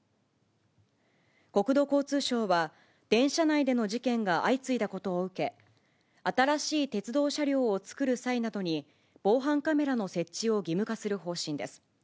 国土交通省は、電車内での事件が相次いだことを受け、新しい鉄道車両を造る際などに、防犯カメラの設置を義務化する方針です。